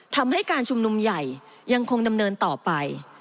ทำให้การชุมนุมใหญ่ยังคงดำเนินต่อไป